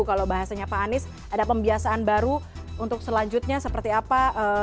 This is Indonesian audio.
kalau bahasanya pak anies ada pembiasaan baru untuk selanjutnya seperti apa